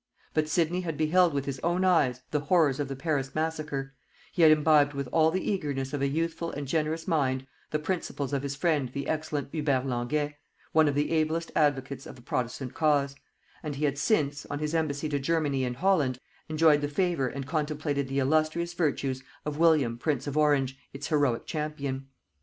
But Sidney had beheld with his own eyes the horrors of the Paris massacre; he had imbibed with all the eagerness of a youthful and generous mind the principles of his friend the excellent Hubert Languet, one of the ablest advocates of the protestant cause; and he had since, on his embassy to Germany and Holland, enjoyed the favor and contemplated the illustrious virtues of William prince of Orange its heroic champion.